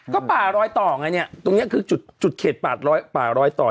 ก็ป่ารอยต่องดีเนี่ยตรงนี้ตรงนี้คือจุดเนี้ยป่ารอยต่อง